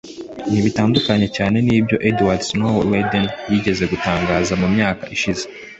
ntibitandukanye cyane n’ibyo Edwad Snowden yigeze gutangaza mu myaka ishize